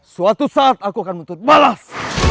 suatu saat aku akan menuntut balas